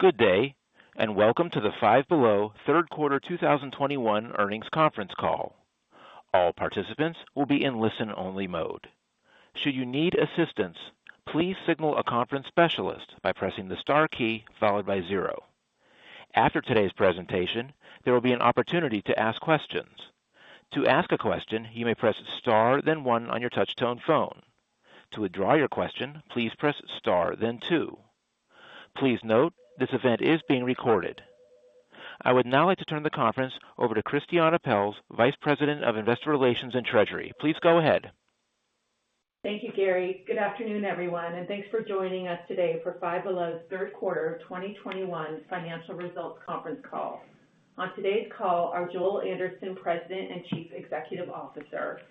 Good day, and welcome to the Five Below Third Quarter 2021 Earnings Conference Call. All participants will be in listen-only mode. Should you need assistance, please signal a conference specialist by pressing the star key followed by zero. After today's presentation, there will be an opportunity to ask questions. To ask a question, you may press star then one on your touchtone phone. To withdraw your question, please press star then two. Please note, this event is being recorded. I would now like to turn the conference over to Christiane Pelz, Vice President of Investor Relations and Treasury. Please go ahead. Thank you, Cole. Good afternoon, everyone, and thanks for joining us today for Five Below's third quarter of 2021 financial results conference call. On today's call are Joel Anderson, President and Chief Executive Officer,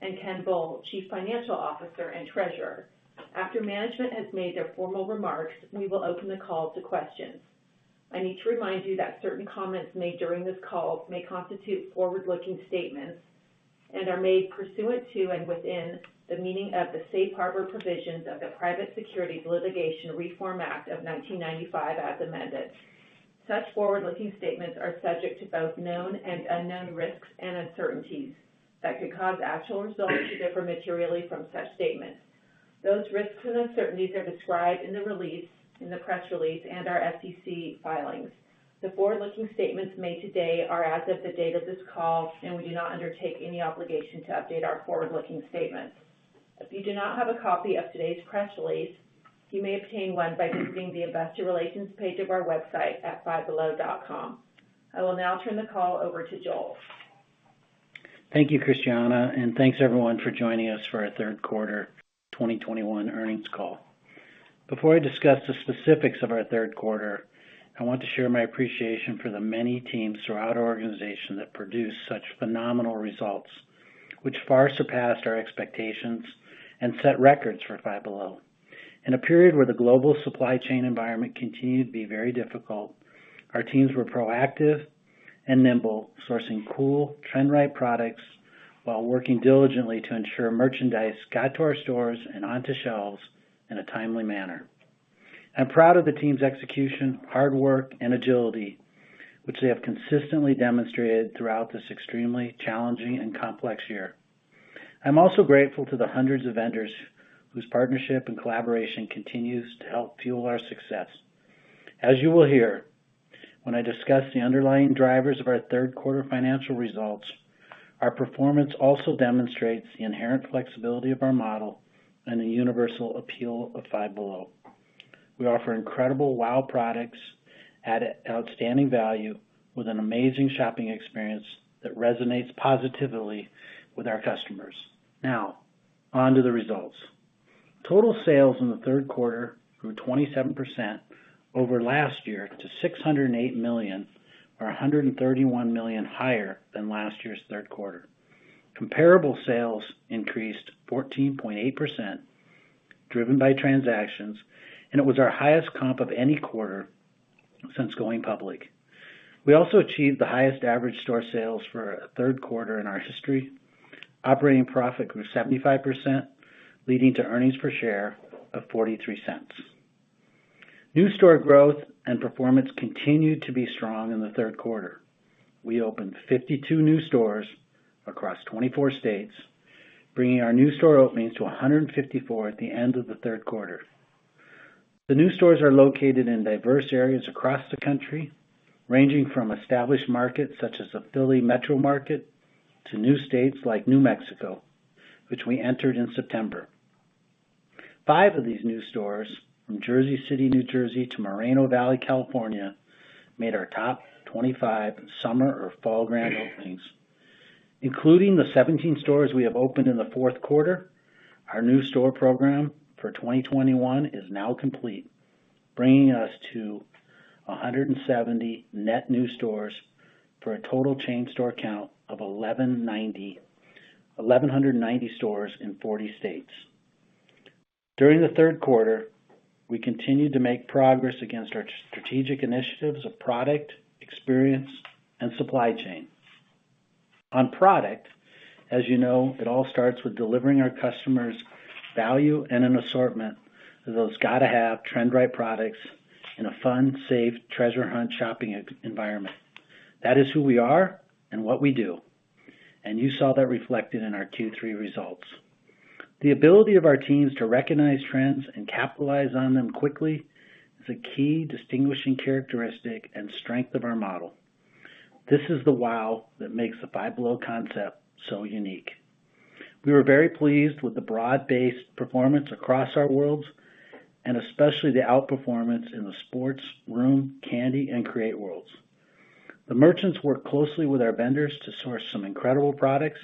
and Ken Bull, Chief Financial Officer and Treasurer. After management has made their formal remarks, we will open the call to questions. I need to remind you that certain comments made during this call may constitute forward-looking statements and are made pursuant to and within the meaning of the safe harbor provisions of the Private Securities Litigation Reform Act of 1995 as amended. Such forward-looking statements are subject to both known and unknown risks and uncertainties that could cause actual results to differ materially from such statements. Those risks and uncertainties are described in the release, in the press release and our SEC filings. The forward-looking statements made today are as of the date of this call, and we do not undertake any obligation to update our forward-looking statements. If you do not have a copy of today's press release, you may obtain one by visiting the investor relations page of our website at fivebelow.com. I will now turn the call over to Joel. Thank you, Christiane, and thanks, everyone, for joining us for our third quarter 2021 earnings call. Before I discuss the specifics of our third quarter, I want to share my appreciation for the many teams throughout our organization that produced such phenomenal results, which far surpassed our expectations and set records for Five Below. In a period where the global supply chain environment continued to be very difficult, our teams were proactive and nimble, sourcing cool trend right products while working diligently to ensure merchandise got to our stores and onto shelves in a timely manner. I'm proud of the team's execution, hard work, and agility, which they have consistently demonstrated throughout this extremely challenging and complex year. I'm also grateful to the hundreds of vendors whose partnership and collaboration continues to help fuel our success. As you will hear when I discuss the underlying drivers of our third quarter financial results, our performance also demonstrates the inherent flexibility of our model and the universal appeal of Five Below. We offer incredible wow products at outstanding value with an amazing shopping experience that resonates positively with our customers. Now onto the results. Total sales in the third quarter grew 27% over last year to $608 million or $131 million higher than last year's third quarter. Comparable sales increased 14.8%, driven by transactions, and it was our highest comp of any quarter since going public. We also achieved the highest average store sales for a third quarter in our history. Operating profit grew 75%, leading to earnings per share of $0.43. New store growth and performance continued to be strong in the third quarter. We opened 52 new stores across 24 states, bringing our new store openings to 154 at the end of the third quarter. The new stores are located in diverse areas across the country, ranging from established markets such as the Philly metro market to new states like New Mexico, which we entered in September. Five of these new stores from Jersey City, New Jersey, to Moreno Valley, California, made our top 25 summer or fall grand openings. Including the 17 stores we have opened in the fourth quarter, our new store program for 2021 is now complete, bringing us to 170 net new stores for a total chain store count of 1,190, 1,190 stores in 40 states. During the third quarter, we continued to make progress against our strategic initiatives of product, experience, and supply chain. On product, as you know, it all starts with delivering value to our customers and an assortment of those gotta-have, trend-right products in a fun, safe treasure hunt shopping environment. That is who we are and what we do. You saw that reflected in our Q3 results. The ability of our teams to recognize trends and capitalize on them quickly is a key distinguishing characteristic and strength of our model. This is the wow that makes the Five Below concept so unique. We were very pleased with the broad-based performance across our worlds, and especially the outperformance in the sports room, candy, and create worlds. The merchants work closely with our vendors to source some incredible products,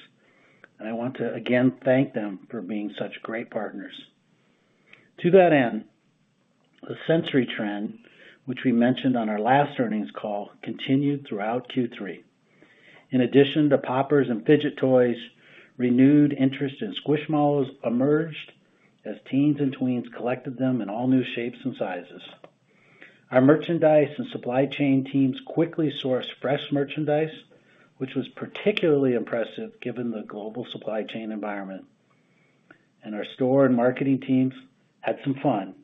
and I want to again thank them for being such great partners. To that end, the sensory trend, which we mentioned on our last earnings call, continued throughout Q3. In addition to poppers and fidget toys, renewed interest in Squishmallows emerged as teens and tweens collected them in all new shapes and sizes. Our merchandise and supply chain teams quickly sourced fresh merchandise, which was particularly impressive given the global supply chain environment. Our store and marketing teams had some fun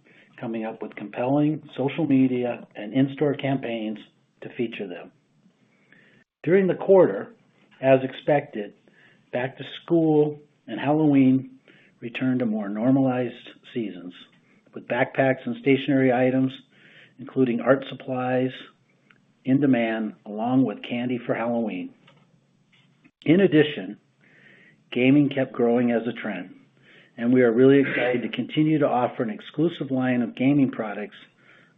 coming up with compelling social media and in-store campaigns to feature them. During the quarter, as expected, back-to-school and Halloween returned to more normalized seasons, with backpacks and stationery items, including art supplies in demand, along with candy for Halloween. In addition, gaming kept growing as a trend, and we are really excited to continue to offer an exclusive line of gaming products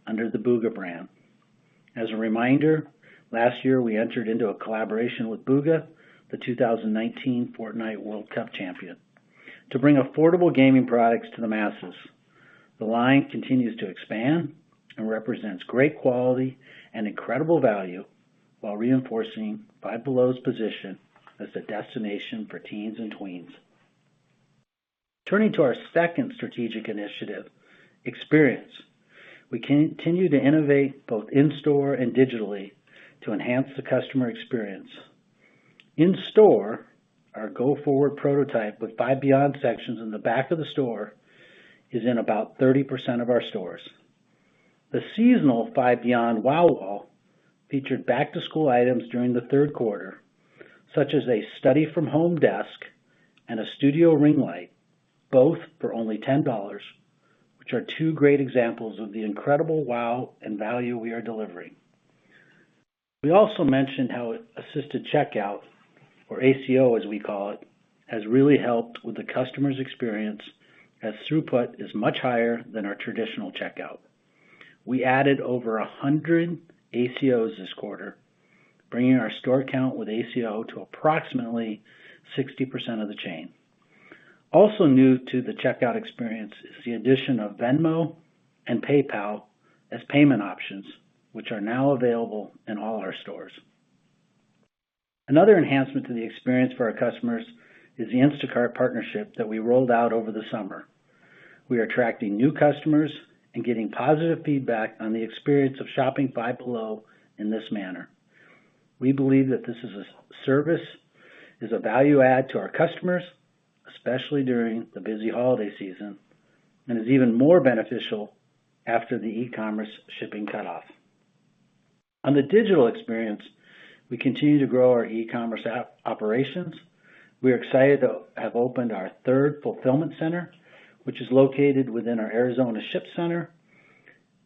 under the Bugha brand. As a reminder, last year, we entered into a collaboration with Bugha, the 2019 Fortnite World Cup champion, to bring affordable gaming products to the masses. The line continues to expand and represents great quality and incredible value while reinforcing Five Below's position as a destination for teens and tweens. Turning to our second strategic initiative, experience. We continue to innovate both in-store and digitally to enhance the customer experience. In store, our go-forward prototype with Five Beyond sections in the back of the store is in about 30% of our stores. The seasonal Five Beyond Wow Wall featured back-to-school items during the third quarter, such as a study from home desk and a studio ring light, both for only $10, which are two great examples of the incredible wow and value we are delivering. We also mentioned how assisted checkout, or ACO, as we call it, has really helped with the customer's experience, as throughput is much higher than our traditional checkout. We added over 100 ACOs this quarter, bringing our store count with ACO to approximately 60% of the chain. Also new to the checkout experience is the addition of Venmo and PayPal as payment options, which are now available in all our stores. Another enhancement to the experience for our customers is the Instacart partnership that we rolled out over the summer. We are attracting new customers and getting positive feedback on the experience of shopping Five Below in this manner. We believe that this is a service, is a value add to our customers, especially during the busy holiday season, and is even more beneficial after the e-commerce shipping cutoff. On the digital experience, we continue to grow our e-commerce app operations. We are excited to have opened our third fulfillment center, which is located within our Arizona shipping center,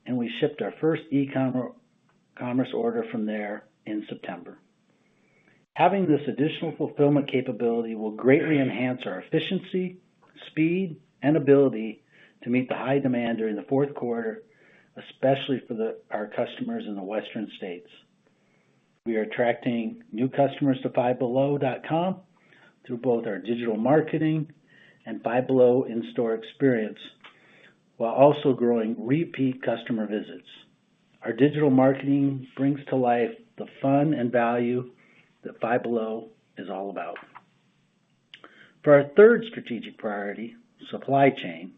and we shipped our first e-commerce order from there in September. Having this additional fulfillment capability will greatly enhance our efficiency, speed, and ability to meet the high demand during the fourth quarter, especially for our customers in the western states. We are attracting new customers to fivebelow.com through both our digital marketing and Five Below in-store experience, while also growing repeat customer visits. Our digital marketing brings to life the fun and value that Five Below is all about. For our third strategic priority, supply chain,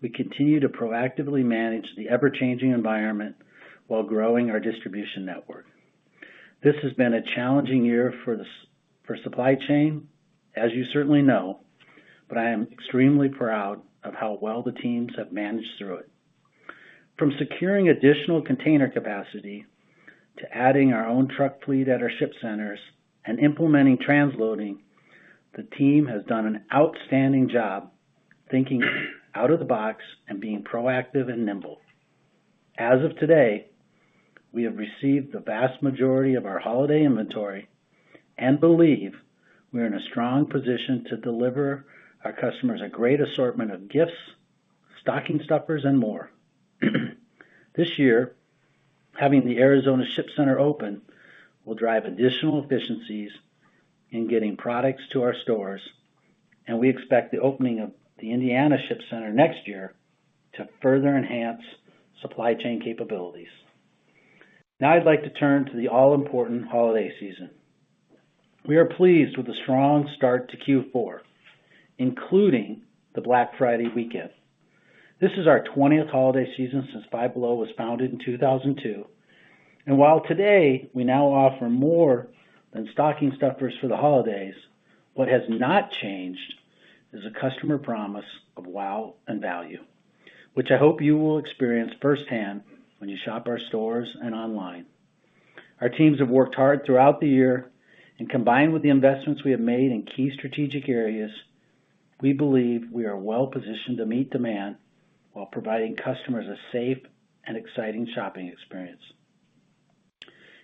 we continue to proactively manage the ever-changing environment while growing our distribution network. This has been a challenging year for supply chain, as you certainly know, but I am extremely proud of how well the teams have managed through it. From securing additional container capacity to adding our own truck fleet at our ship centers and implementing transloading, the team has done an outstanding job thinking out of the box and being proactive and nimble. As of today, we have received the vast majority of our holiday inventory and believe we are in a strong position to deliver our customers a great assortment of gifts, stocking stuffers, and more. This year, having the Arizona Ship Center open will drive additional efficiencies in getting products to our stores, and we expect the opening of the Indiana Ship Center next year to further enhance supply chain capabilities. Now I'd like to turn to the all-important holiday season. We are pleased with the strong start to Q4, including the Black Friday weekend. This is our 20th holiday season since Five Below was founded in 2002. While today we now offer more than stocking stuffers for the holidays, what has not changed is a customer promise of wow and value, which I hope you will experience firsthand when you shop our stores and online. Our teams have worked hard throughout the year and combined with the investments we have made in key strategic areas, we believe we are well-positioned to meet demand while providing customers a safe and exciting shopping experience.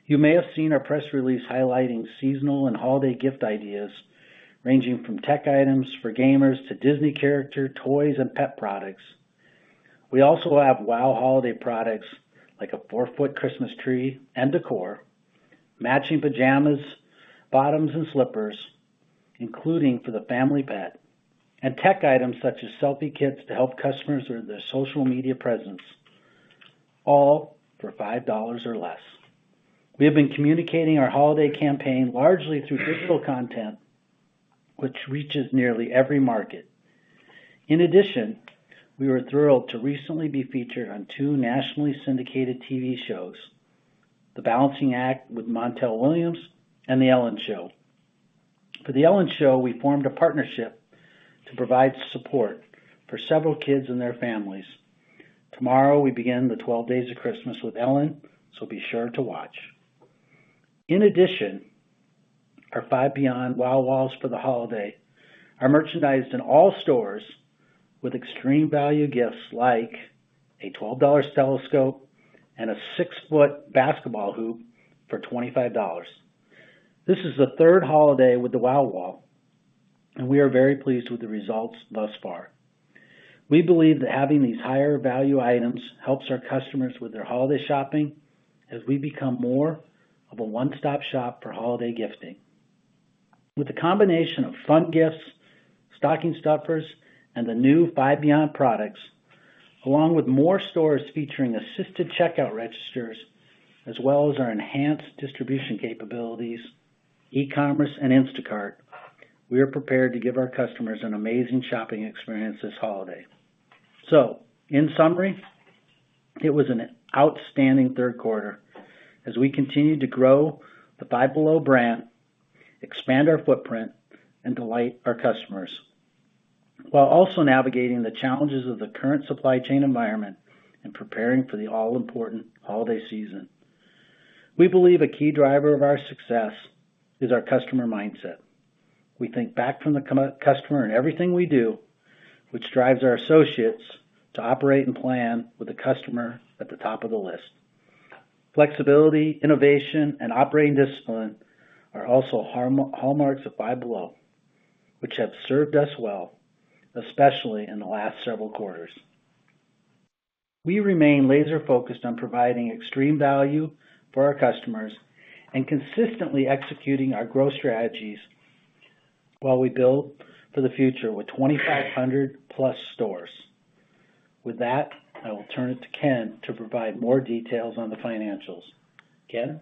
You may have seen our press release highlighting seasonal and holiday gift ideas ranging from tech items for gamers to Disney character toys and pet products. We also have wow holiday products like a 4 ft Christmas tree and decor, matching pajamas, bottoms, and slippers, including for the family pet, and tech items such as selfie kits to help customers with their social media presence, all for $5 or less. We have been communicating our holiday campaign largely through digital content, which reaches nearly every market. In addition, we were thrilled to recently be featured on two nationally syndicated TV shows. The Balancing Act with Montel Williams and The Ellen Show. For The Ellen Show, we formed a partnership to provide support for several kids and their families. Tomorrow, we begin the 12 days of Christmas with Ellen, so be sure to watch. In addition, our Five Beyond Wow Walls for the holiday are merchandised in all stores with extreme value gifts like a $12 telescope and a 6 ft basketball hoop for $25. This is the third holiday with the Wow Wall, and we are very pleased with the results thus far. We believe that having these higher value items helps our customers with their holiday shopping as we become more of a one-stop shop for holiday gifting. With the combination of fun gifts, stocking stuffers, and the new Five Beyond products, along with more stores featuring assisted checkout registers, as well as our enhanced distribution capabilities, e-commerce and Instacart, we are prepared to give our customers an amazing shopping experience this holiday. In summary, it was an outstanding third quarter as we continued to grow the Five Below brand, expand our footprint and delight our customers, while also navigating the challenges of the current supply chain environment and preparing for the all-important holiday season. We believe a key driver of our success is our customer mindset. We think back from the customer in everything we do, which drives our associates to operate and plan with the customer at the top of the list. Flexibility, innovation and operating discipline are also hallmarks of Five Below, which have served us well, especially in the last several quarters. We remain laser focused on providing extreme value for our customers and consistently executing our growth strategies while we build for the future with 2,500+ stores. With that, I will turn it to Ken to provide more details on the financials. Ken?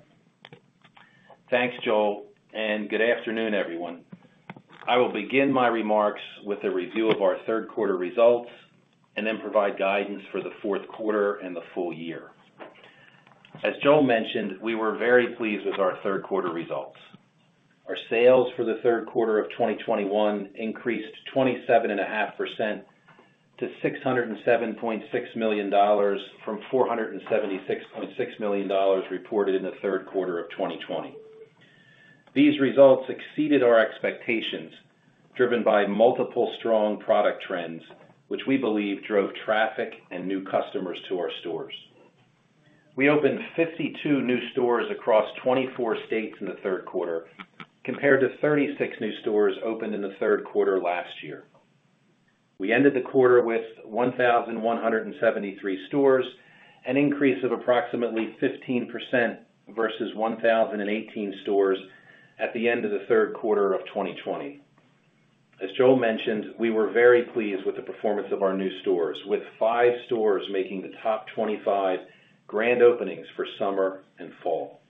Thanks, Joel, and good afternoon, everyone. I will begin my remarks with a review of our third quarter results and then provide guidance for the fourth quarter and the full year. As Joel mentioned, we were very pleased with our third quarter results. Our sales for the third quarter of 2021 increased 27.5% to $607.6 million from $476.6 million reported in the third quarter of 2020. These results exceeded our expectations, driven by multiple strong product trends, which we believe drove traffic and new customers to our stores. We opened 52 new stores across 24 states in the third quarter, compared to 36 new stores opened in the third quarter last year. We ended the quarter with 1,173 stores, an increase of approximately 15% versus 1,018 stores at the end of the third quarter of 2020. As Joel mentioned, we were very pleased with the performance of our new stores, with five stores making the top 25 grand openings for summer and fall.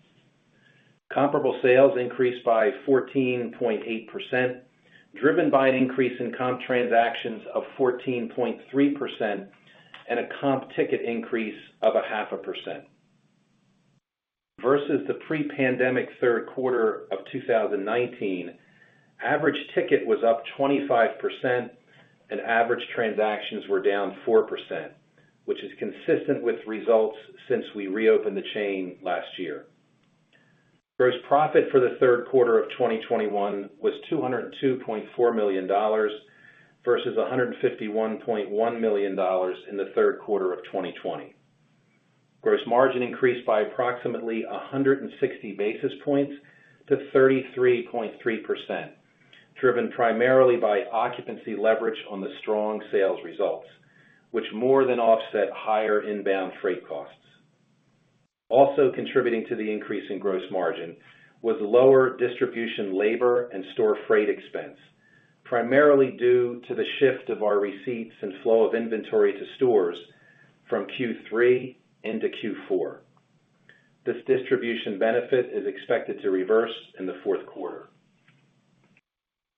Comparable sales increased by 14.8%, driven by an increase in comp transactions of 14.3% and a comp ticket increase of a 0.5%. Versus the pre-pandemic third quarter of 2019, average ticket was up 25% and average transactions were down 4%, which is consistent with results since we reopened the chain last year. Gross profit for the third quarter of 2021 was $202.4 million versus $151.1 million in the third quarter of 2020. Gross margin increased by approximately 160 basis points to 33.3%, driven primarily by occupancy leverage on the strong sales results, which more than offset higher inbound freight costs. Also contributing to the increase in gross margin was lower distribution labor and store freight expense, primarily due to the shift of our receipts and flow of inventory to stores from Q3 into Q4. This distribution benefit is expected to reverse in the fourth quarter.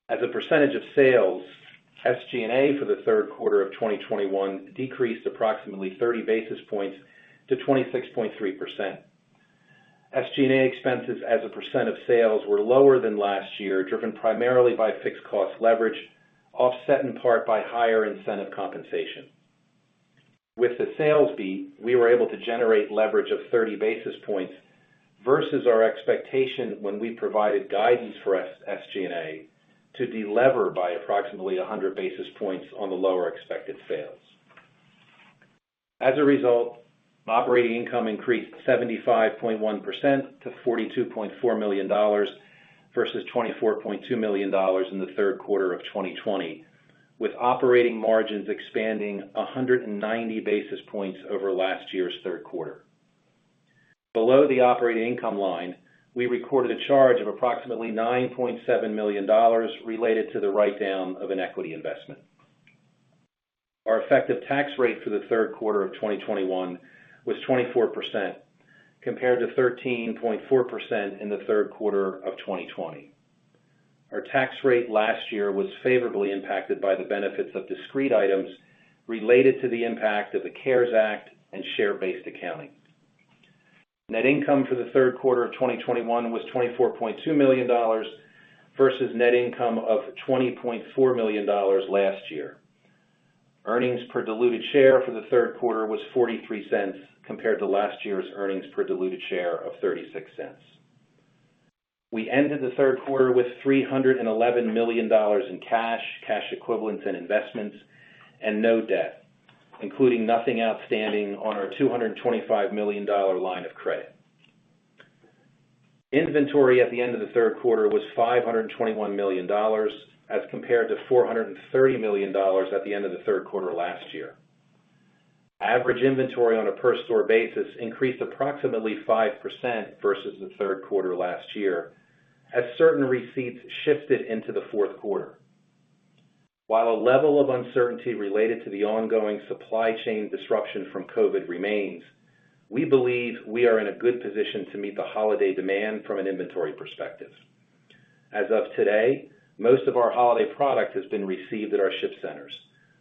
As a percentage of sales, SG&A for the third quarter of 2021 decreased approximately 30 basis points to 26.3%. SG&A expenses as a percent of sales were lower than last year, driven primarily by fixed cost leverage, offset in part by higher incentive compensation. With the sales beat, we were able to generate leverage of 30 basis points versus our expectation when we provided guidance for SG&A to delever by approximately 100 basis points on the lower expected sales. As a result, operating income increased 75.1% to $42.4 million versus $24.2 million in the third quarter of 2020, with operating margins expanding 190 basis points over last year's third quarter. Below the operating income line, we recorded a charge of approximately $9.7 million related to the write-down of an equity investment. Our effective tax rate for the third quarter of 2021 was 24%, compared to 13.4% in the third quarter of 2020. Our tax rate last year was favorably impacted by the benefits of discrete items related to the impact of the CARES Act and share-based accounting. Net income for the third quarter of 2021 was $24.2 million versus net income of $20.4 million last year. Earnings per diluted share for the third quarter was $0.43 compared to last year's earnings per diluted share of $0.36. We ended the third quarter with $311 million in cash equivalents, and investments and no debt, including nothing outstanding on our $225 million line of credit. Inventory at the end of the third quarter was $521 million as compared to $430 million at the end of the third quarter last year. Average inventory on a per store basis increased approximately 5% versus the third quarter last year as certain receipts shifted into the fourth quarter. While a level of uncertainty related to the ongoing supply chain disruption from COVID remains, we believe we are in a good position to meet the holiday demand from an inventory perspective. As of today, most of our holiday product has been received at our ship centers,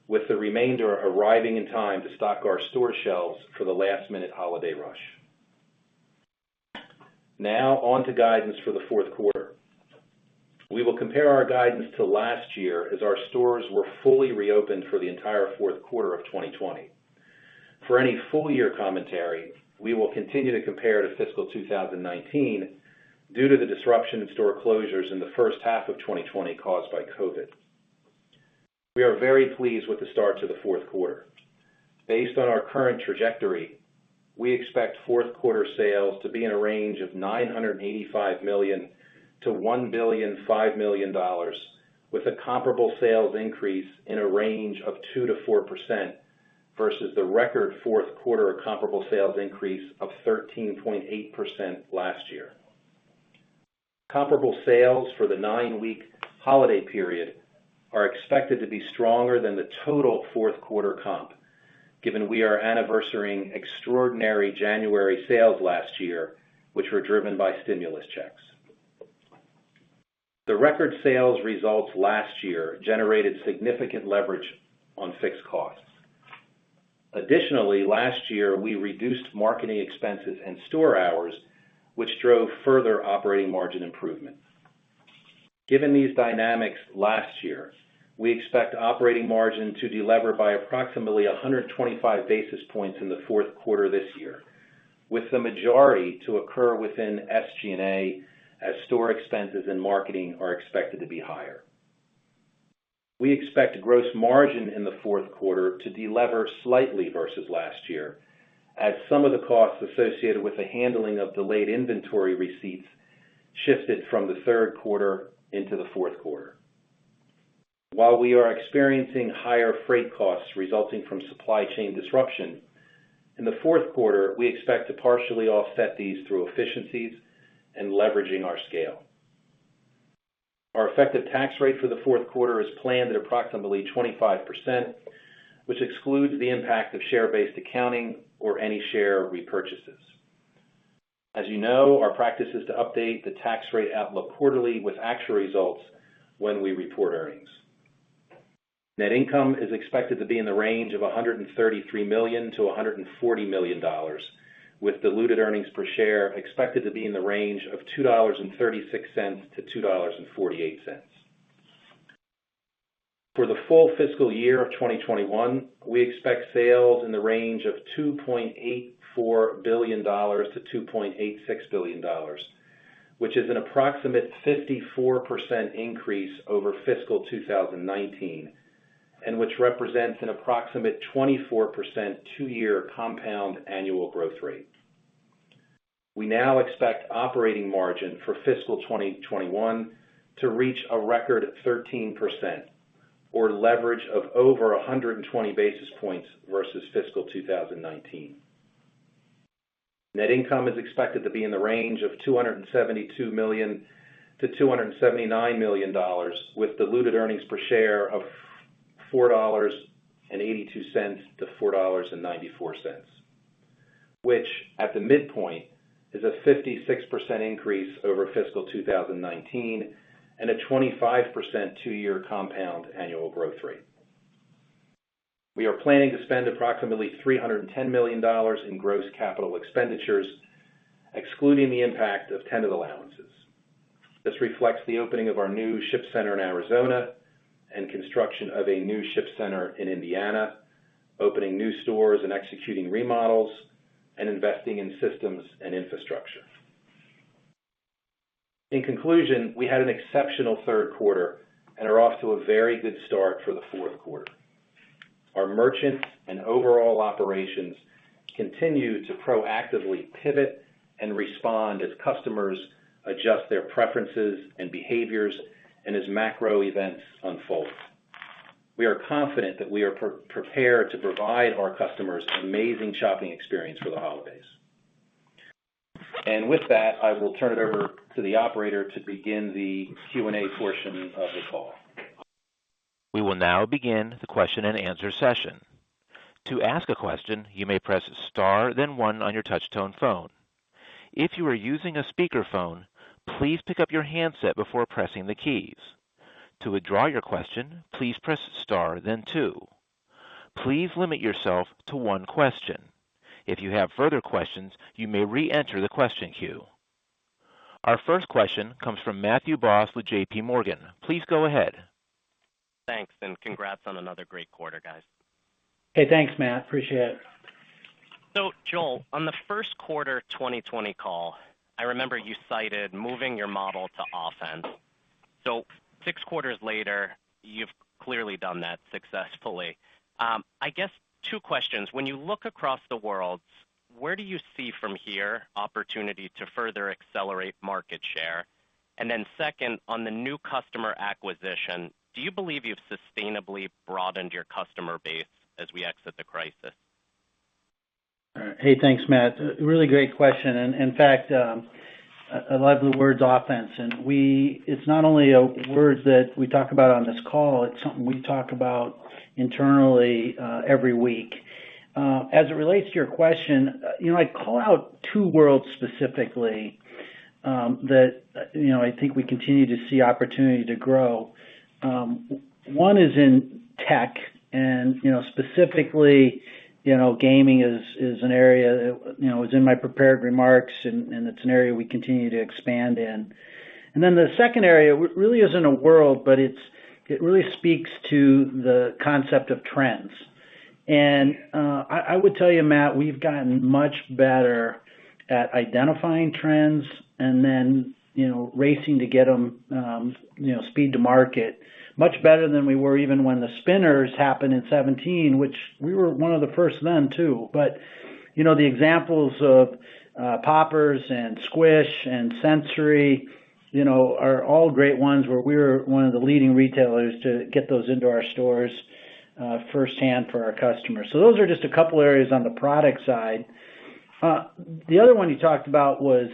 with the remainder arriving in time to stock our store shelves for the last-minute holiday rush. Now on to guidance for the fourth quarter. We will compare our guidance to last year as our stores were fully reopened for the entire fourth quarter of 2020. For any full year commentary, we will continue to compare to fiscal 2019 due to the disruption in store closures in the first half of 2020 caused by COVID. We are very pleased with the start to the fourth quarter. Based on our current trajectory, we expect fourth quarter sales to be in a range of $985 million to $1.005 billion, with a comparable sales increase in a range of 2%-4% versus the record fourth quarter comparable sales increase of 13.8% last year. Comparable sales for the nine-week holiday period are expected to be stronger than the total fourth quarter comp, given we are anniversarying extraordinary January sales last year, which were driven by stimulus checks. The record sales results last year generated significant leverage on fixed costs. Additionally, last year, we reduced marketing expenses and store hours, which drove further operating margin improvements. Given these dynamics last year, we expect operating margin to delever by approximately 125 basis points in the fourth quarter this year, with the majority to occur within SG&A as store expenses and marketing are expected to be higher. We expect gross margin in the fourth quarter to delever slightly versus last year as some of the costs associated with the handling of delayed inventory receipts shifted from the third quarter into the fourth quarter. While we are experiencing higher freight costs resulting from supply chain disruption, in the fourth quarter, we expect to partially offset these through efficiencies and leveraging our scale. Our effective tax rate for the fourth quarter is planned at approximately 25%, which excludes the impact of share-based accounting or any share repurchases. As you know, our practice is to update the tax rate outlook quarterly with actual results when we report earnings. Net income is expected to be in the range of $133 million-$140 million, with diluted earnings per share expected to be in the range of $2.36-$2.48. For the full fiscal year of 2021, we expect sales in the range of $2.84 billion-$2.86 billion, which is an approximate 54% increase over fiscal 2019, and which represents an approximate 24% two-year compound annual growth rate. We now expect operating margin for fiscal 2021 to reach a record 13% or leverage of over 120 basis points versus fiscal 2019. Net income is expected to be in the range of $272 million-$279 million with diluted earnings per share of $4.82-$4.94, which at the midpoint is a 56% increase over fiscal 2019 and a 25% two-year compound annual growth rate. We are planning to spend approximately $310 million in gross capital expenditures, excluding the impact of tenant allowances. This reflects the opening of our new ship center in Arizona and construction of a new ship center in Indiana, opening new stores and executing remodels, and investing in systems and infrastructure. In conclusion, we had an exceptional third quarter and are off to a very good start for the fourth quarter. Our merchants and overall operations continue to proactively pivot and respond as customers adjust their preferences and behaviors, and as macro events unfold. We are confident that we are pre-prepared to provide our customers an amazing shopping experience for the holidays. With that, I will turn it over to the operator to begin the Q&A portion of the call. We will now begin the question and answer session. To ask a question, you may press star, then one on your touchtone phone. If you are using a speakerphone, please pick up your handset before pressing the keys. To withdraw your question, please press star then two. Please limit yourself to one question. If you have further questions, you may re-enter the question queue. Our first question comes from Matthew Boss with J.P. Morgan. Please go ahead. Thanks and congrats on another great quarter, guys. Hey, thanks, Matt. Appreciate it. Joel, on the first quarter 2020 call, I remember you cited moving your model to offense. Six quarters later, you've clearly done that successfully. I guess two questions. When you look across the worlds, where do you see from here opportunity to further accelerate market share? And then second, on the new customer acquisition, do you believe you've sustainably broadened your customer base as we exit the crisis? Hey, thanks, Matt. Really great question. In fact, I love the words offense. It's not only a word that we talk about on this call, it's something we talk about internally every week. As it relates to your question, you know, I call out two worlds specifically that, you know, I think we continue to see opportunity to grow. One is in tech, and, you know, specifically, you know, gaming is an area, you know, it's in my prepared remarks, and it's an area we continue to expand in. Then the second area really isn't a world, but it really speaks to the concept of trends. I would tell you, Matt, we've gotten much better at identifying trends and then, you know, racing to get them, you know, speed to market much better than we were, even when the spinners happened in 2017, which we were one of the first then, too. You know, the examples of poppers and squish and sensory, you know, are all great ones where we were one of the leading retailers to get those into our stores, firsthand for our customers. Those are just a couple areas on the product side. The other one you talked about was,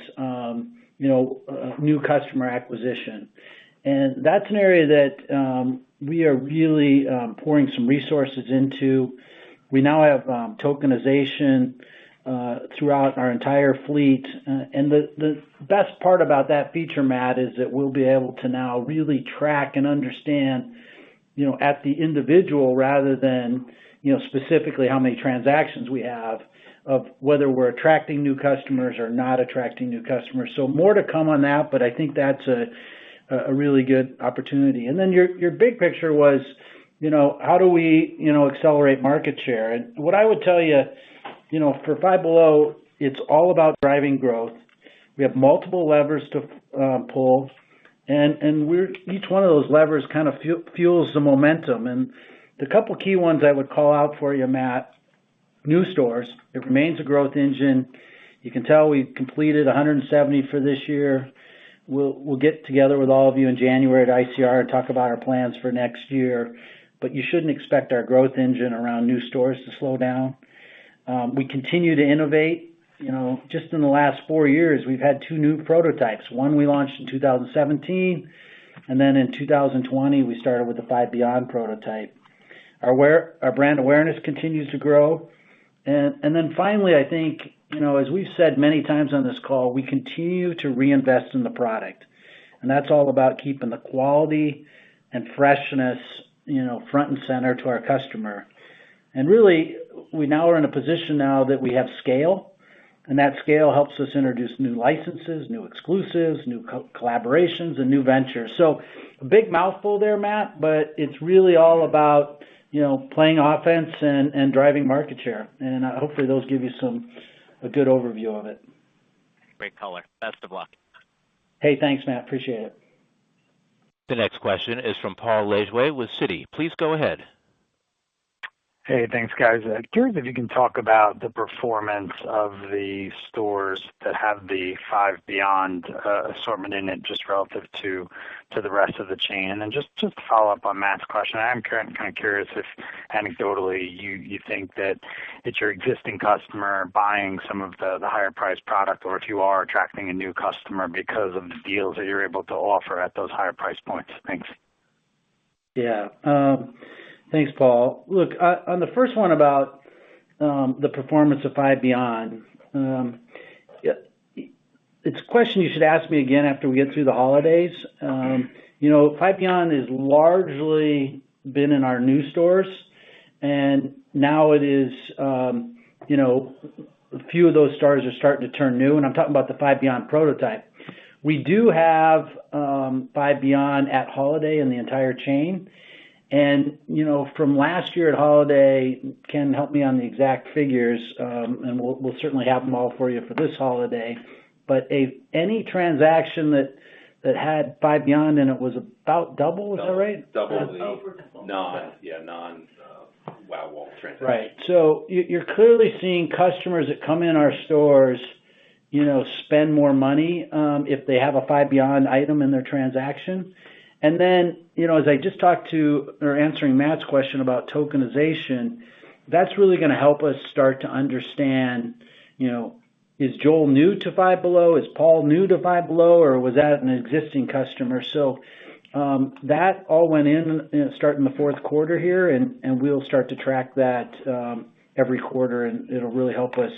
you know, new customer acquisition. That's an area that we are really pouring some resources into. We now have tokenization throughout our entire fleet. The best part about that feature, Matt, is that we'll be able to now really track and understand, you know, at the individual rather than, you know, specifically how many transactions we have of whether we're attracting new customers or not attracting new customers. More to come on that, but I think that's a really good opportunity. Then your big picture was, you know, how do we, you know, accelerate market share? What I would tell you know, for Five Below, it's all about driving growth. We have multiple levers to pull, and each one of those levers kind of fuels the momentum. The couple of key ones I would call out for you, Matt. New stores, it remains a growth engine. You can tell we've completed 170 for this year. We'll get together with all of you in January at ICR and talk about our plans for next year. You shouldn't expect our growth engine around new stores to slow down. We continue to innovate. You know, just in the last four years, we've had two new prototypes. One we launched in 2017, and then in 2020, we started with the Five Beyond prototype. Our brand awareness continues to grow. Then finally, I think, you know, as we've said many times on this call, we continue to reinvest in the product. That's all about keeping the quality and freshness, you know, front and center to our customer. Really, we now are in a position now that we have scale, and that scale helps us introduce new licenses, new exclusives, new co-collaborations, and new ventures. A big mouthful there, Matt, but it's really all about, you know, playing offense and driving market share. Hopefully those give you some, a good overview of it. Great color. Best of luck. Hey, thanks, Matt. Appreciate it. The next question is from Paul Lejuez with Citi. Please go ahead. Hey, thanks, guys. Curious if you can talk about the performance of the stores that have the Five Beyond assortment in it, just relative to the rest of the chain. Just to follow up on Matt's question, I'm kinda curious if anecdotally you think that it's your existing customer buying some of the higher priced product or if you are attracting a new customer because of the deals that you're able to offer at those higher price points. Thanks. Yeah. Thanks, Paul. Look, on the first one about the performance of Five Beyond. It's a question you should ask me again after we get through the holidays. You know, Five Beyond has largely been in our new stores, and now it is, you know, a few of those stores are starting to turn new, and I'm talking about the Five Beyond prototype. We do have Five Beyond at holiday in the entire chain. You know, from last year at holiday, Ken, help me on the exact figures, and we'll certainly have them all for you for this holiday. But any transaction that had Five Beyond and it was about double, is that right? Double the non-Wow Wall transaction. Right. You're clearly seeing customers that come in our stores, you know, spend more money if they have a Five Beyond item in their transaction. Then, you know, as I just talked to or answering Matt's question about tokenization, that's really gonna help us start to understand-Is Joel new to Five Below? Is Paul new to Five Below or was that an existing customer? That all went in, you know, starting the fourth quarter here, and we'll start to track that every quarter, and it'll really help us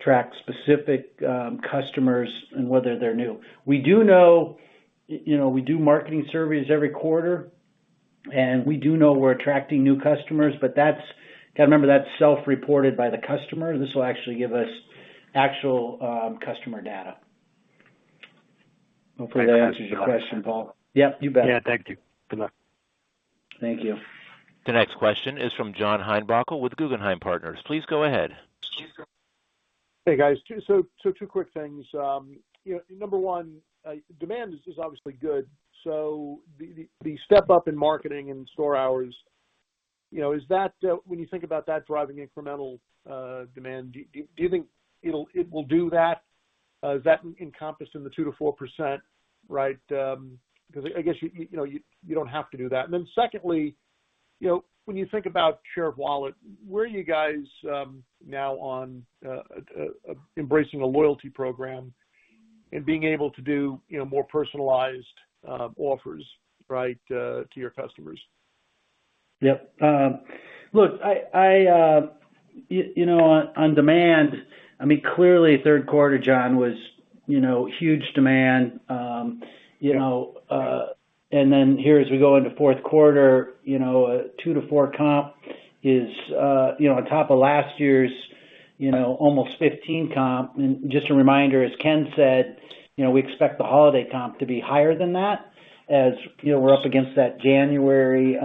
track specific customers and whether they're new. We do know we do marketing surveys every quarter, and we do know we're attracting new customers, but that's. You gotta remember that's self-reported by the customer. This will actually give us actual customer data. Hopefully that answers your question, Paul. The next question is from John Heinbockel with Guggenheim Partners. Please go ahead. Hey, guys. Two quick things. You know, number one, demand is obviously good, so the step up in marketing and store hours, you know, is that when you think about that driving incremental demand, do you think it'll do that? Is that encompassed in the 2%-4%, right? Because I guess you know you don't have to do that. Then secondly, you know, when you think about share of wallet, where are you guys now on embracing a loyalty program and being able to do more personalized offers, right, to your customers? Yep. Look, you know, on demand, I mean, clearly third quarter, John, was, you know, huge demand. You know, then here as we go into fourth quarter, you know, 2%-4% comp is, you know, on top of last year's, you know, almost 15% comp. Just a reminder, as Ken said, you know, we expect the holiday comp to be higher than that as, you know, we're up against that January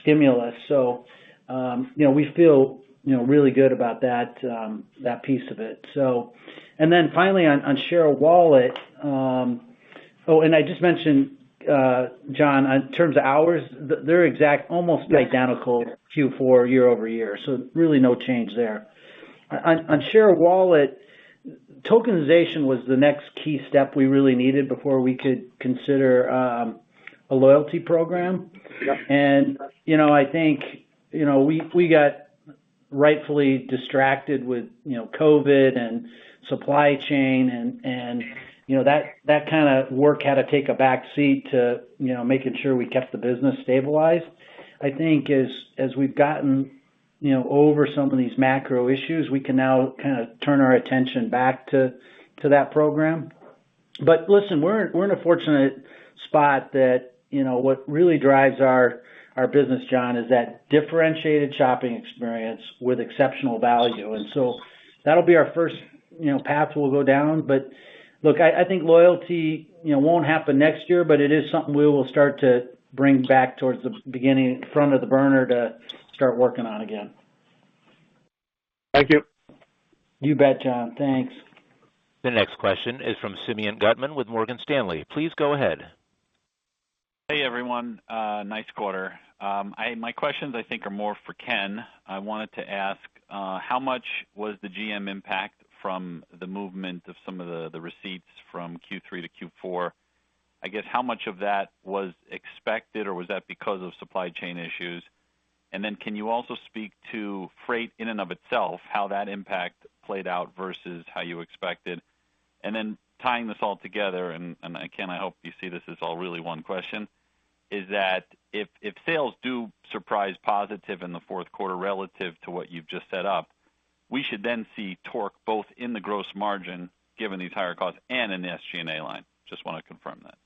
stimulus. You know, we feel, you know, really good about that piece of it. Finally on share of wallet. Oh, I just mentioned, John, in terms of hours, they're exact, almost identical Q4 year-over-year, so really no change there. On share of wallet, tokenization was the next key step we really needed before we could consider a loyalty program. Yep. You know, I think you know, we got rightfully distracted with you know, COVID and supply chain and you know, that kind of work had to take a back seat to you know, making sure we kept the business stabilized. I think as we've gotten you know, over some of these macro issues, we can now kind of turn our attention back to that program. Listen, we're in a fortunate spot that you know, what really drives our business, John, is that differentiated shopping experience with exceptional value. That'll be our first you know, path we'll go down. Look, I think loyalty you know, won't happen next year, but it is something we will start to bring back towards the beginning, front burner to start working on again. Thank you. You bet, John. Thanks. The next question is from Simeon Gutman with Morgan Stanley. Please go ahead. Hey, everyone. Nice quarter. My questions I think are more for Ken. I wanted to ask how much was the GM impact from the movement of some of the receipts from Q3 to Q4? I guess how much of that was expected, or was that because of supply chain issues? Can you also speak to freight in and of itself, how that impact played out versus how you expected? Tying this all together, Ken, I hope you see this as all really one question, is that if sales do surprise positive in the fourth quarter relative to what you've just set up, we should then see torque both in the gross margin, given the entire cost and in the SG&A line. Just wanna confirm that.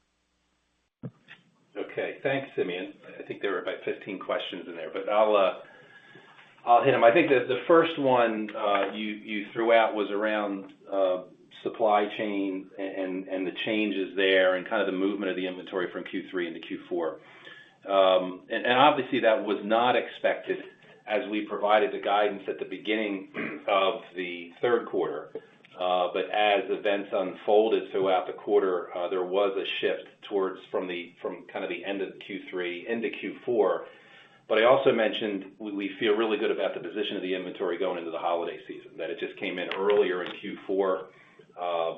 Okay. Thanks, Simeon. I think there were about 15 questions in there, but I'll hit them. I think the first one you threw out was around supply chain and the changes there and kind of the movement of the inventory from Q3 into Q4. Obviously that was not expected as we provided the guidance at the beginning of the third quarter. As events unfolded throughout the quarter, there was a shift from kind of the end of Q3 into Q4. I also mentioned we feel really good about the position of the inventory going into the holiday season, that it just came in earlier in Q4,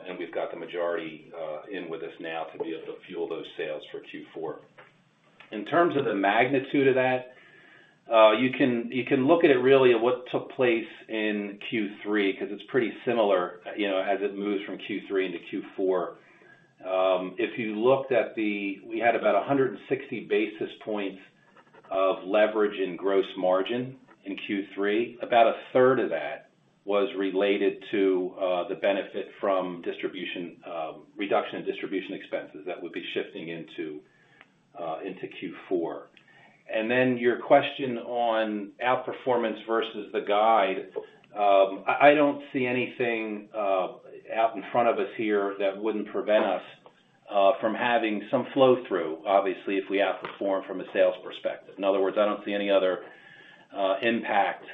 and we've got the majority in with us now to be able to fuel those sales for Q4. In terms of the magnitude of that, you can look at it really at what took place in Q3 because it's pretty similar, you know, as it moves from Q3 into Q4. If you looked, we had about 160 basis points of leverage in gross margin in Q3. About a third of that was related to the benefit from distribution, reduction in distribution expenses that would be shifting into Q4. Your question on outperformance versus the guide, I don't see anything out in front of us here that wouldn't prevent us from having some flow-through, obviously, if we outperform from a sales perspective. In other words, I don't see any other impact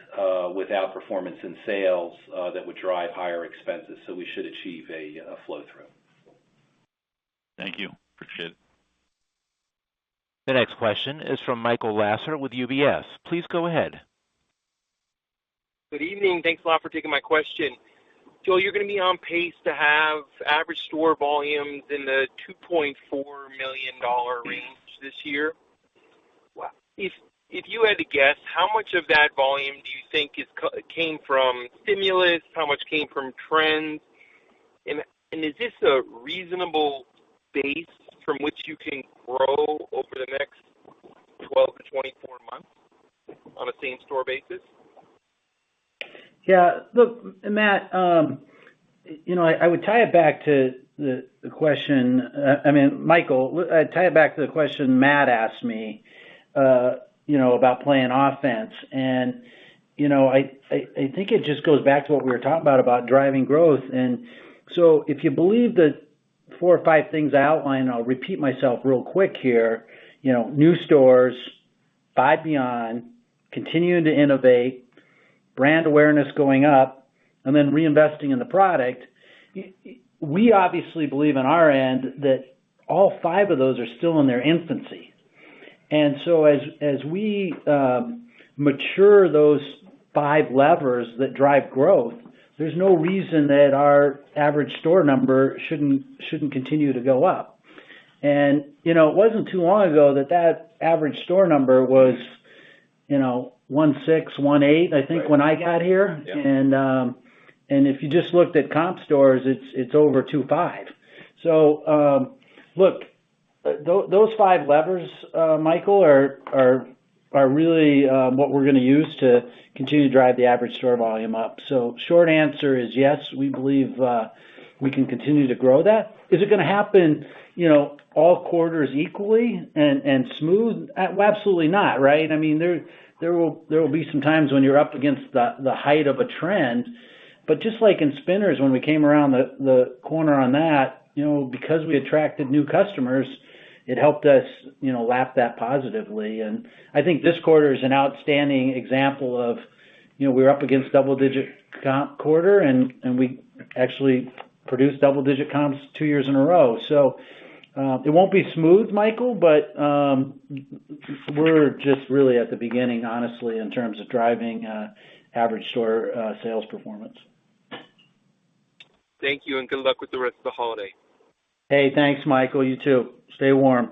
with outperformance in sales that would drive higher expenses, so we should achieve a flow-through. Thank you. Appreciate it. The next question is from Michael Lasser with UBS. Please go ahead. Good evening. Thanks a lot for taking my question. Joel, you're gonna be on pace to have average store volumes in the $2.4 million range this year? If you had to guess, how much of that volume do you think came from stimulus? How much came from trends? Is this a reasonable base from which you can grow over the next 12-24 months on a same-store basis? Yeah. Look, Matt, you know, I mean, Michael, look, I'd tie it back to the question Matt asked me, you know, about playing offense. You know, I think it just goes back to what we were talking about driving growth. If you believe the four or five things I outlined, I'll repeat myself real quick here. You know, new stores, Five Beyond, continuing to innovate, brand awareness going up, and then reinvesting in the product. We obviously believe on our end that all five of those are still in their infancy. As we mature those five levers that drive growth, there's no reason that our average store number shouldn't continue to go up. You know, it wasn't too long ago that that average store number was, you know, 16, 18, I think, when I got here. Yeah. If you just looked at comp stores, it's over 25. Look, those five levers, Michael, are really what we're gonna use to continue to drive the average store volume up. Short answer is yes, we believe we can continue to grow that. Is it gonna happen, you know, all quarters equally and smooth? Well, absolutely not, right? I mean, there will be some times when you're up against the height of a trend. Just like in spinners, when we came around the corner on that, you know, because we attracted new customers, it helped us, you know, lap that positively. I think this quarter is an outstanding example of, you know, we're up against double-digit comp quarter and we actually produced double-digit comps two years in a row. It won't be smooth, Michael, but we're just really at the beginning, honestly, in terms of driving average store sales performance. Thank you, and good luck with the rest of the holiday. Hey, thanks, Michael. You too. Stay warm.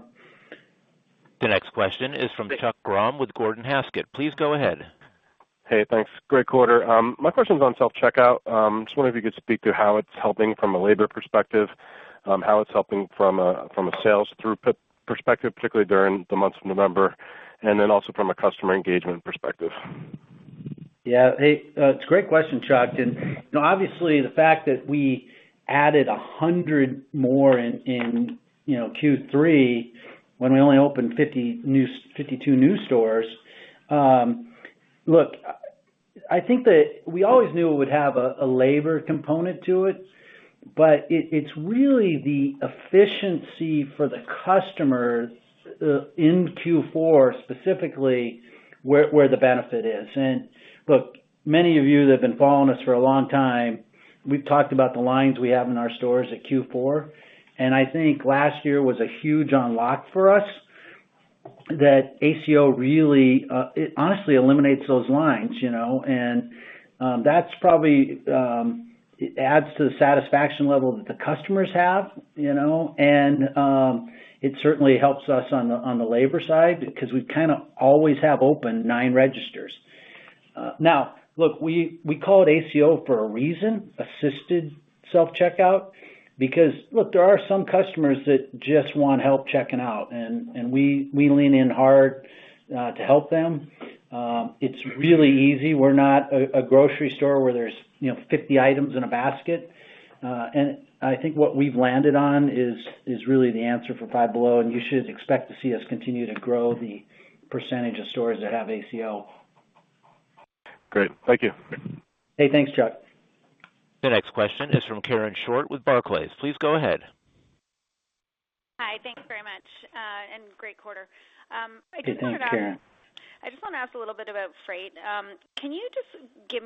The next question is from Chuck Grom with Gordon Haskett Research Advisors. Please go ahead. Hey, thanks. Great quarter. My question's on self-checkout. Just wondering if you could speak to how it's helping from a labor perspective, how it's helping from a sales throughput perspective, particularly during the months of November, and then also from a customer engagement perspective. Yeah. Hey, it's a great question, Chuck. You know, obviously, the fact that we added 100 more in Q3 when we only opened 52 new stores. Look, I think that we always knew it would have a labor component to it, but it's really the efficiency for the customers in Q4, specifically, where the benefit is. Look, many of you that have been following us for a long time, we've talked about the lines we have in our stores at Q4, and I think last year was a huge unlock for us that ACO really it honestly eliminates those lines, you know. That's probably adds to the satisfaction level that the customers have, you know, and it certainly helps us on the labor side because we kind of always have open nine registers. Now, look, we call it ACO for a reason, Assisted Self-Checkout, because look, there are some customers that just want help checking out, and we lean in hard to help them. It's really easy. We're not a grocery store where there's, you know, 50 items in a basket. I think what we've landed on is really the answer for Five Below, and you should expect to see us continue to grow the percentage of stores that have ACO. Great. Thank you. Hey, thanks, Chuck. The next question is from Karen Short with Barclays. Please go ahead. Hi. Thank you very much, and great quarter. I guess I'll start off- Thanks, Karen. I just wanna ask a little bit about freight. Can you just give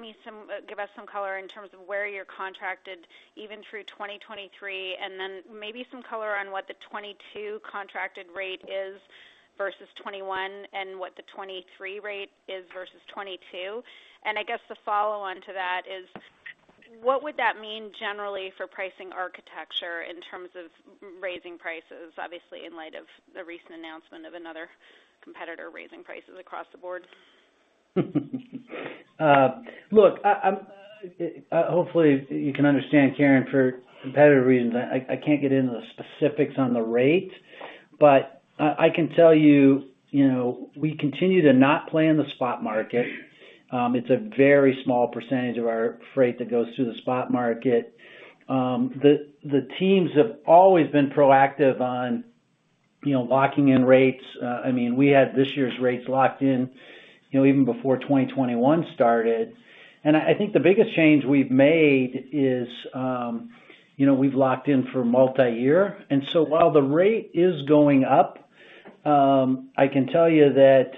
us some color in terms of where you're contracted even through 2023, and then maybe some color on what the 2022 contracted rate is versus 2021 and what the 2023 rate is versus 2022? I guess the follow-on to that is what would that mean generally for pricing architecture in terms of raising prices, obviously, in light of the recent announcement of another competitor raising prices across the board? Look, hopefully you can understand, Karen, for competitive reasons, I can't get into the specifics on the rate. I can tell you know, we continue to not play in the spot market. It's a very small percentage of our freight that goes through the spot market. The teams have always been proactive on, you know, locking in rates. I mean, we had this year's rates locked in, you know, even before 2021 started. I think the biggest change we've made is, you know, we've locked in for multi-year. While the rate is going up, I can tell you that,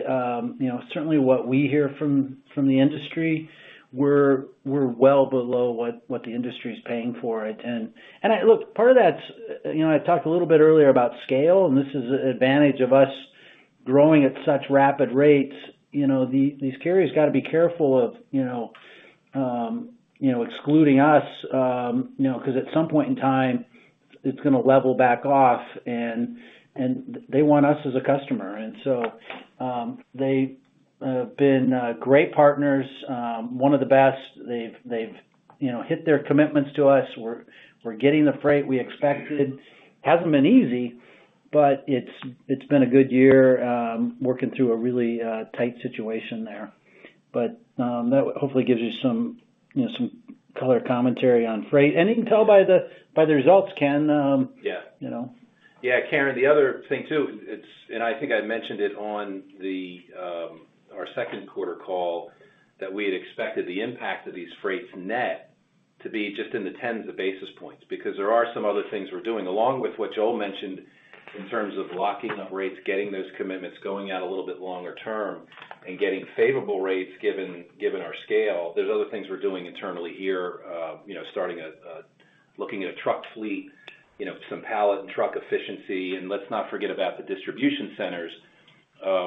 you know, certainly what we hear from the industry, we're well below what the industry is paying for it. Look, part of that's, you know, I talked a little bit earlier about scale, and this is an advantage of us growing at such rapid rates. You know, these carriers got to be careful of, you know, excluding us, you know, because at some point in time. It's gonna level back off, and they want us as a customer. They've been great partners, one of the best. They've, you know, hit their commitments to us. We're getting the freight we expected. Hasn't been easy, but it's been a good year, working through a really tight situation there. That hopefully gives you some, you know, some color commentary on freight. You can tell by the results, Ken. Yeah. You know. Yeah, Karen, the other thing too, and I think I mentioned it on our second quarter call that we had expected the impact of these freights net to be just in the tens of basis points because there are some other things we're doing along with what Joel mentioned in terms of locking up rates, getting those commitments going out a little bit longer term and getting favorable rates given our scale. There's other things we're doing internally here, you know, starting to look at a truck fleet, you know, some pallet and truck efficiency. Let's not forget about the distribution centers.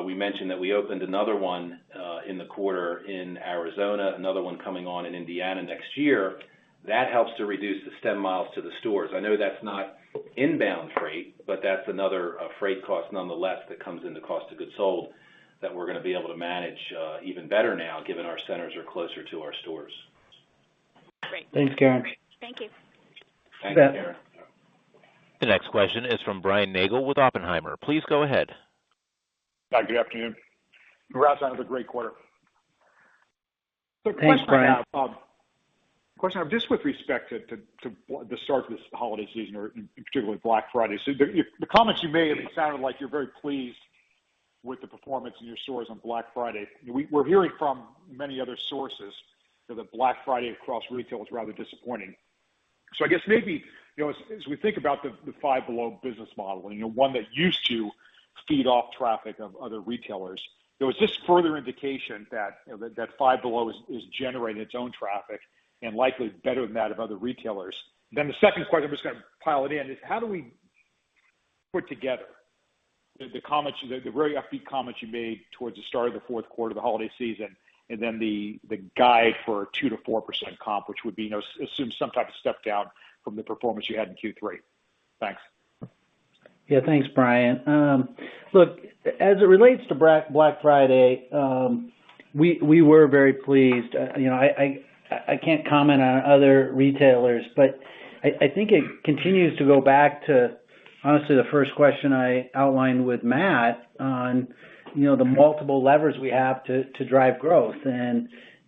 We mentioned that we opened another one in the quarter in Arizona, another one coming on in Indiana next year. That helps to reduce the stem miles to the stores. I know that's not inbound freight, but that's another freight cost nonetheless that comes in the cost of goods sold that we're gonna be able to manage even better now given our centers are closer to our stores. Great. Thanks, Karen. Thank you. Thanks, Karen. You bet. The next question is from Brian Nagel with Oppenheimer & Co. Please go ahead. Hi, good afternoon. Congrats on another great quarter. Thanks, Brian. Question I have, just with respect to the start of this holiday season or in particular with Black Friday. The comments you made, it sounded like you're very pleased with the performance in your stores on Black Friday. We're hearing from many other sources that the Black Friday across retail was rather disappointing. I guess maybe, you know, as we think about the Five Below business model and, you know, one that used to feed off traffic of other retailers, you know, is this further indication that, you know, that Five Below is generating its own traffic and likely better than that of other retailers? The second part, I'm just gonna pile it in, is how do we put together the comments, the very upbeat comments you made towards the start of the fourth quarter of the holiday season and then the guide for 2%-4% comp, which would be, you know, assume some type of step down from the performance you had in Q3. Thanks. Yeah. Thanks, Brian. Look, as it relates to Black Friday, we were very pleased. You know, I can't comment on other retailers, but I think it continues to go back to, honestly, the first question I outlined with Matt on, you know, the multiple levers we have to drive growth.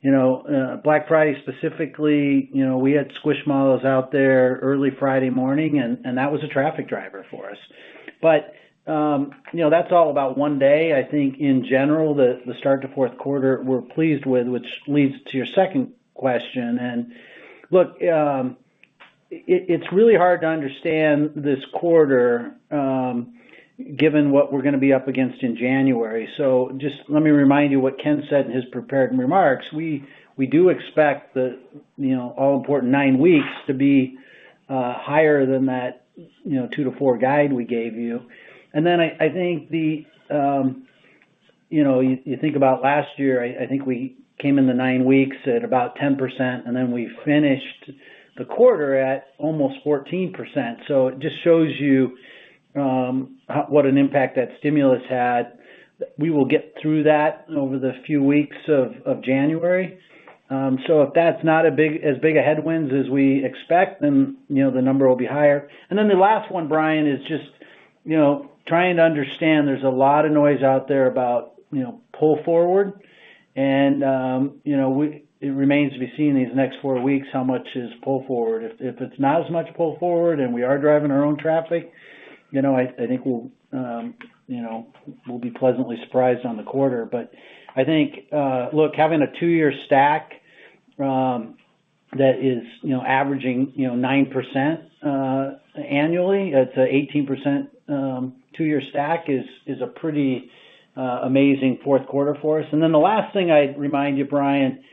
You know, Black Friday specifically, you know, we had Squishmallows out there early Friday morning, and that was a traffic driver for us. You know, that's all about one day. I think in general, the start to fourth quarter we're pleased with, which leads to your second question. Look, it's really hard to understand this quarter, given what we're gonna be up against in January. Just let me remind you what Ken said in his prepared remarks. We do expect the you know all important nine weeks to be higher than that 2%-4% guide we gave you. I think you think about last year. I think we came in the nine weeks at about 10%, and then we finished the quarter at almost 14%. It just shows you what an impact that stimulus had. We will get through that over the few weeks of January. If that's not as big a headwinds as we expect, then you know the number will be higher. The last one, Brian, is just, you know, trying to understand there's a lot of noise out there about, you know, pull forward and it remains to be seen in these next four weeks how much is pull forward. If it's not as much pull forward and we are driving our own traffic, you know, I think we'll, you know, be pleasantly surprised on the quarter. I think, look, having a two-year stack that is, you know, averaging, you know, 9% annually at 18%, two-year stack is a pretty amazing fourth quarter for us. The last thing I'd remind you, Brian,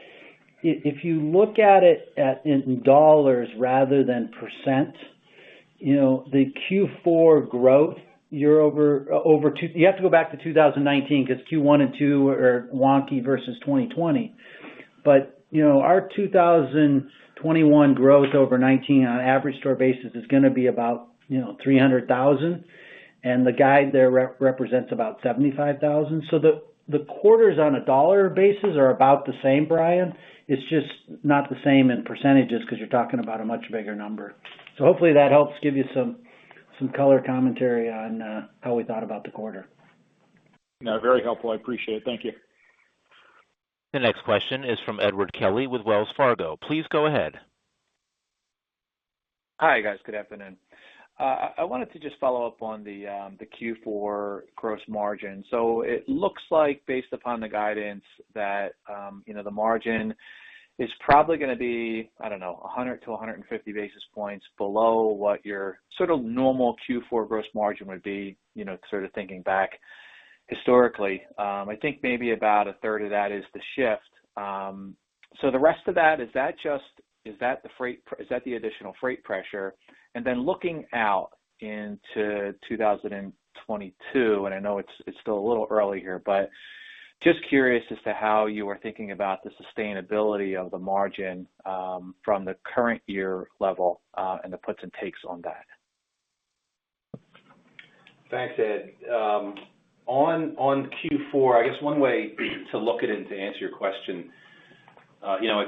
if you look at it in dollars rather than percent, you know, the Q4 growth year-over-year over two You have to go back to 2019 because Q1 and Q2 are wonky versus 2020. You know, our 2021 growth over 2019 on average store basis is gonna be about, you know, $300,000, and the guide there represents about $75,000. The quarters on a dollar basis are about the same, Brian. It's just not the same in percentages because you're talking about a much bigger number. Hopefully that helps give you some color commentary on how we thought about the quarter. No, very helpful. I appreciate it. Thank you. The next question is from Edward Kelly with Wells Fargo. Please go ahead. Hi, guys. Good afternoon. I wanted to just follow up on the Q4 gross margin. It looks like based upon the guidance that, you know, the margin is probably gonna be, I don't know, 100 basis points-150 basis points below what your sort of normal Q4 gross margin would be, you know, sort of thinking back historically. I think maybe about a third of that is the shift. The rest of that, is that the additional freight pressure? Then looking out into 2022, and I know it's still a little early here, but just curious as to how you are thinking about the sustainability of the margin from the current year level, and the puts and takes on that. Thanks, Ed. On Q4, I guess one way to look at it to answer your question, you know,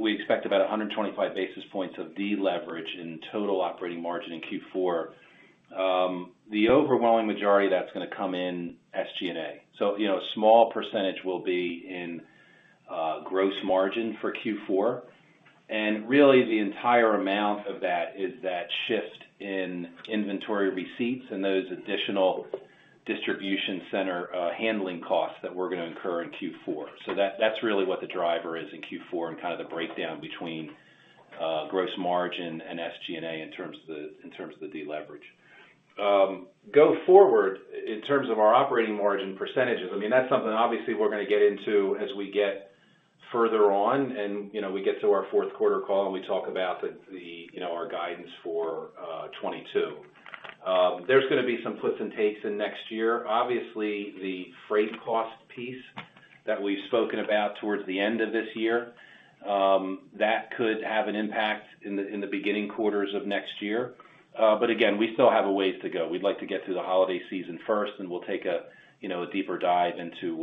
we expect about 125 basis points of deleverage in total operating margin in Q4. The overwhelming majority that's gonna come in SG&A. You know, a small percentage will be in gross margin for Q4. Really, the entire amount of that is that shift in inventory receipts and those additional distribution center handling costs that we're gonna incur in Q4. That's really what the driver is in Q4 and kind of the breakdown between gross margin and SG&A in terms of the deleverage. Going forward, in terms of our operating margin percentages, I mean, that's something obviously we're gonna get into as we get further on and, you know, we get to our fourth quarter call and we talk about the you know, our guidance for 2022. There's gonna be some puts and takes in next year. Obviously, the freight cost piece that we've spoken about towards the end of this year, that could have an impact in the beginning quarters of next year. Again, we still have a ways to go. We'd like to get through the holiday season first, and we'll take a you know, a deeper dive into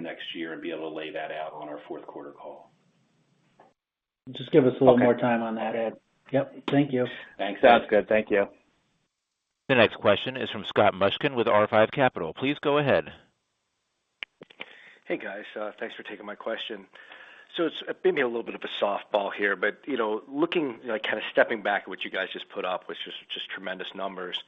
next year and be able to lay that out on our fourth quarter call. Just give us a little more time on that, Ed. Yep. Thank you. Thanks, Ed. Sounds good. Thank you. The next question is from Scott Mushkin with R5 Capital. Please go ahead. Hey, guys. Thanks for taking my question. It's maybe a little bit of a softball here, but, you know, looking, like, kind of stepping back at what you guys just put up, which was just tremendous numbers.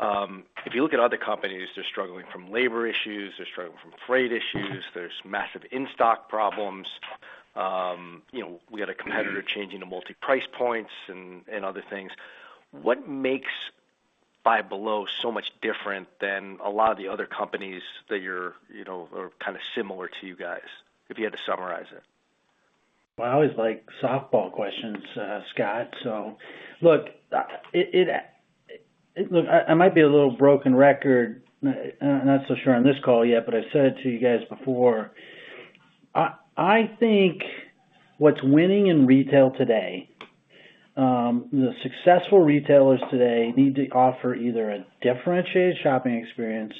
If you look at other companies, they're struggling from labor issues, they're struggling from freight issues, there's massive in-stock problems. You know, we had a competitor changing the multi-price points and other things. What makes Five Below so much different than a lot of the other companies that you're, you know, or kind of similar to you guys, if you had to summarize it? Well, I always like softball questions, Scott. Look, I might be a little broken record, not so sure on this call yet, but I've said it to you guys before. I think what's winning in retail today, the successful retailers today need to offer either a differentiated shopping experience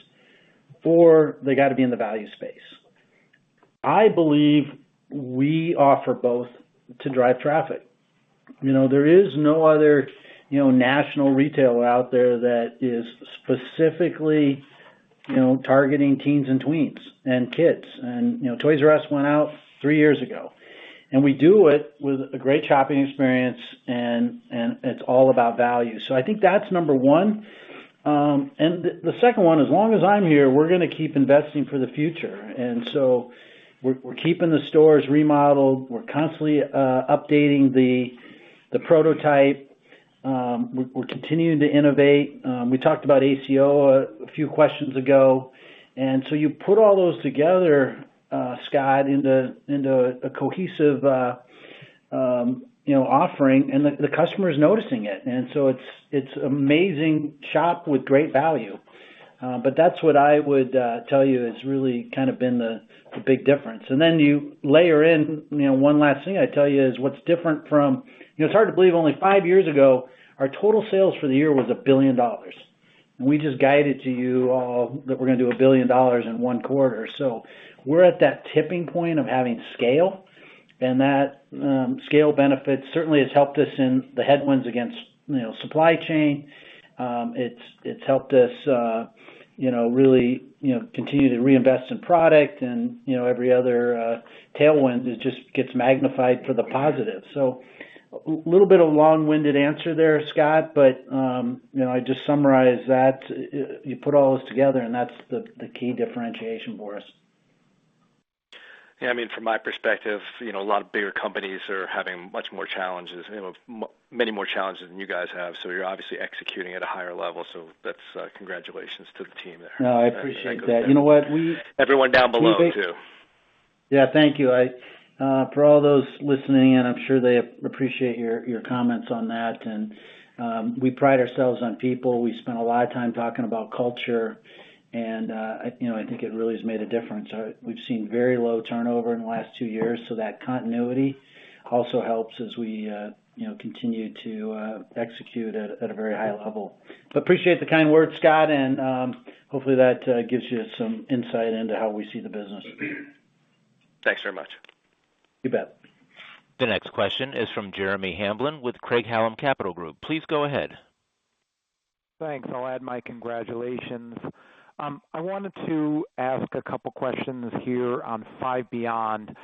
or they gotta be in the value space. I believe we offer both to drive traffic. You know, there is no other, you know, national retailer out there that is specifically, you know, targeting teens and tweens and kids. You know, Toys R Us went out three years ago. We do it with a great shopping experience, and it's all about value. I think that's number one. The second one, as long as I'm here, we're gonna keep investing for the future. We're keeping the stores remodeled. We're constantly updating the prototype. We're continuing to innovate. We talked about ACO a few questions ago. You put all those together, Scott, into a cohesive, you know, offering, and the customer is noticing it. It's an amazing shop with great value. But that's what I would tell you has really kind of been the big difference. You layer in, you know, one last thing I'd tell you is what's different from. You know, it's hard to believe only five years ago, our total sales for the year was $1 billion. We just guided to you all that we're gonna do $1 billion in one quarter. We're at that tipping point of having scale, and that scale benefit certainly has helped us in the headwinds against, you know, supply chain. It's helped us, you know, really continue to reinvest in product and, you know, every other tailwind; it just gets magnified for the positive. Little bit of long-winded answer there, Scott, but, you know, I just summarize that. You put all this together and that's the key differentiation for us. Yeah. I mean, from my perspective, you know, a lot of bigger companies are having much more challenges. You know, many more challenges than you guys have. You're obviously executing at a higher level. That's, congratulations to the team there. No, I appreciate that. I go- You know what? Everyone down below too. Yeah, thank you for all those listening in. I'm sure they appreciate your comments on that. We pride ourselves on people. We spend a lot of time talking about culture, and you know, I think it really has made a difference. We've seen very low turnover in the last two years, so that continuity also helps as we, you know, continue to execute at a very high level. Appreciate the kind words, Scott, and hopefully that gives you some insight into how we see the business. Thanks very much. You bet. The next question is from Jeremy Hamblin with Craig-Hallum Capital Group. Please go ahead. Thanks. I'll add my congratulations. I wanted to ask a couple questions here on Five Beyond.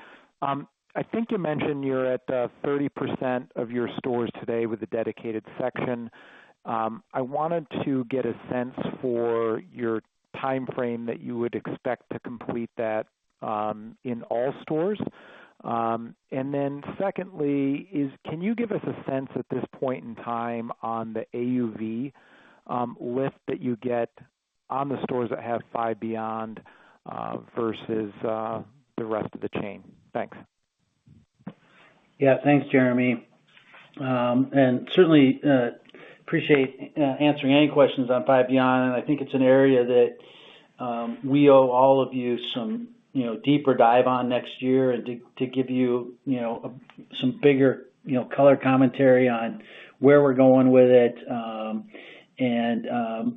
I think you mentioned you're at 30% of your stores today with a dedicated section. I wanted to get a sense for your timeframe that you would expect to complete that in all stores. And then secondly is, can you give us a sense at this point in time on the AUV lift that you get on the stores that have Five Beyond versus the rest of the chain? Thanks. Yeah. Thanks, Jeremy. Certainly, I appreciate answering any questions on Five Beyond. I think it's an area that we owe all of you some, you know, deeper dive on next year to give you know, some bigger, you know, color commentary on where we're going with it, and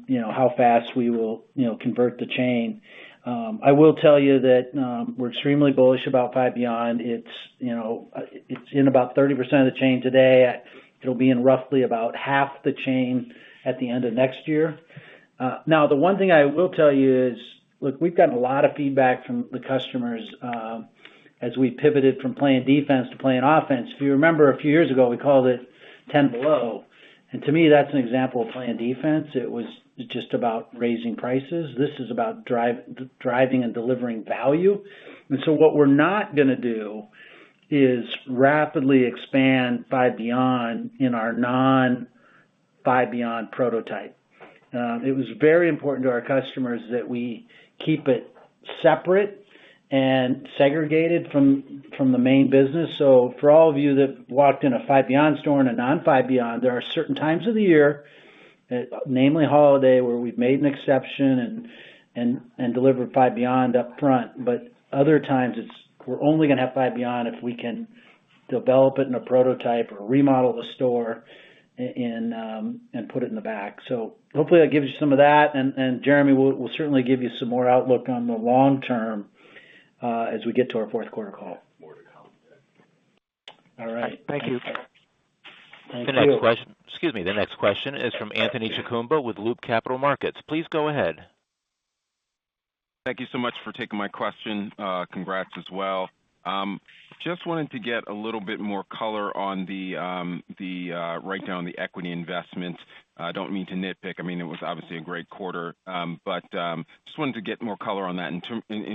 you know, how fast we will, you know, convert the chain. I will tell you that we're extremely bullish about Five Beyond. It's, you know. It's in about 30% of the chain today. It'll be in roughly about half the chain at the end of next year. Now, the one thing I will tell you is, look, we've gotten a lot of feedback from the customers as we pivoted from playing defense to playing offense. If you remember a few years ago, we called it Ten Below. To me, that's an example of playing defense. It was just about raising prices. This is about driving and delivering value. What we're not gonna do is rapidly expand Five Beyond in our non-Five Beyond prototype. It was very important to our customers that we keep it separate and segregated from the main business. For all of you that walked in a Five Beyond store and a non-Five Beyond, there are certain times of the year, namely holiday, where we've made an exception and delivered Five Beyond up front. Other times, we're only gonna have Five Beyond if we can develop it in a prototype or remodel the store and put it in the back. Hopefully that gives you some of that. Jeremy will certainly give you some more outlook on the long term, as we get to our fourth quarter call. All right. Thank you. Thank you. Excuse me. The next question is from Anthony Chukumba with Loop Capital Markets. Please go ahead. Thank you so much for taking my question. Congrats as well. Just wanted to get a little bit more color on the write-down of the equity investment. I don't mean to nitpick. I mean, it was obviously a great quarter, but just wanted to get more color on that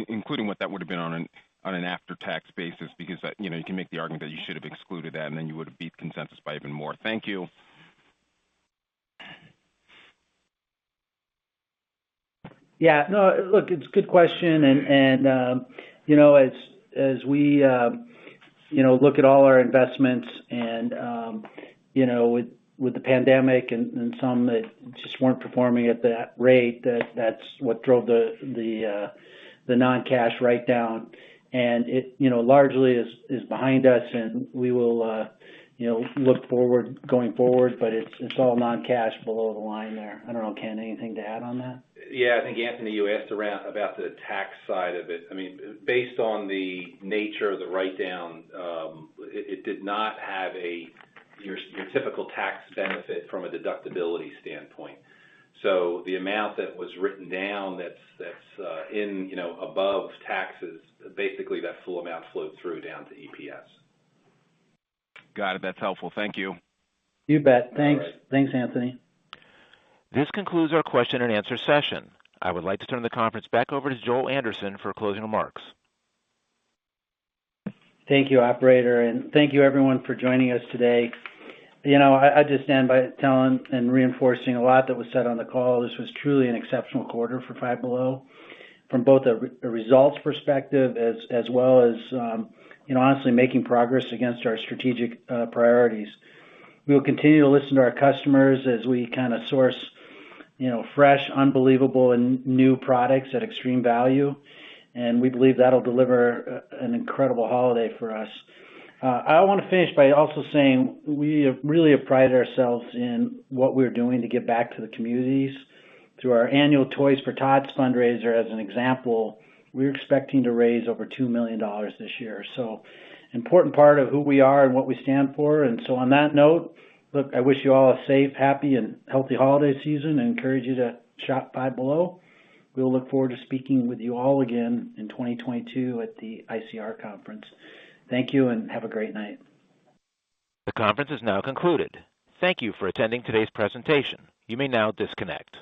including what that would have been on an after-tax basis because, you know, you can make the argument that you should have excluded that, and then you would have beat consensus by even more. Thank you. Yeah. No, look, it's a good question. you know, as we you know, look at all our investments and you know, with the pandemic and some that just weren't performing at that rate, that's what drove the non-cash write-down. It you know, largely is behind us, and we will you know, look forward going forward. It's all non-cash below the line there. I don't know, Ken, anything to add on that? Yeah. I think, Anthony, you asked around about the tax side of it. I mean, based on the nature of the write-down, it did not have your typical tax benefit from a deductibility standpoint. The amount that was written down that's in, you know, above taxes, basically that full amount flowed through down to EPS. Got it. That's helpful. Thank you. You bet. Thanks. Thanks, Anthony. This concludes our question and answer session. I would like to turn the conference back over to Joel Anderson for closing remarks. Thank you, operator, and thank you everyone for joining us today. You know, I just stand by telling and reinforcing a lot that was said on the call. This was truly an exceptional quarter for Five Below from both a results perspective as well as, you know, honestly making progress against our strategic priorities. We'll continue to listen to our customers as we kinda source, you know, fresh, unbelievable, and new products at extreme value, and we believe that'll deliver an incredible holiday for us. I wanna finish by also saying we really have prided ourselves in what we're doing to give back to the communities through our annual Toys for Tots fundraiser, as an example. We're expecting to raise over $2 million this year, so important part of who we are and what we stand for. On that note, look, I wish you all a safe, happy, and healthy holiday season and encourage you to shop Five Below. We'll look forward to speaking with you all again in 2022 at the ICR conference. Thank you and have a great night. The conference is now concluded. Thank you for attending today's presentation. You may now disconnect.